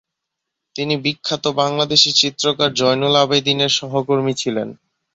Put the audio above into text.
তিনি বিখ্যাত বাংলাদেশী চিত্রকর জয়নুল আবেদীন এর সহকর্মী ছিলেন।